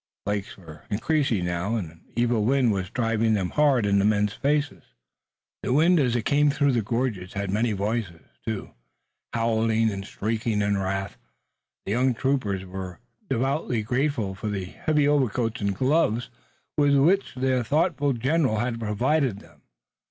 The flakes were increasing now, and an evil wind was driving them hard in the men's faces. The wind, as it came through the gorges, had many voices, too, howling and shrieking in wrath. The young troopers were devoutly grateful for the heavy overcoats and gloves with which a thoughtful general had provided them.